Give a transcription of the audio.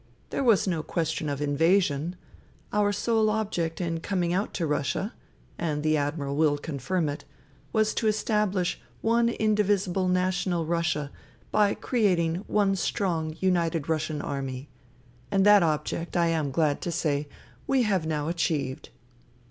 There was no question of ' invasion.' Our sole object in coming out to Russia, and the Admiral will confirm it, was to establish one indivisible national Russia by creating one strong united INTERVENING IN SIBERIA 217 Russian Army — and that object, I am glad to say, we have now achieved."